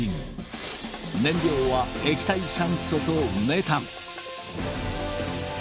燃料は液体酸素とメタン。